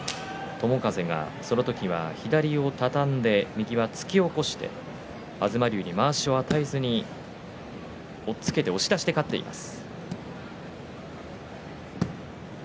その時は友風が左を畳んで右は突き起こして東龍にまわしを与えずに押っつけて押し出しで勝っています。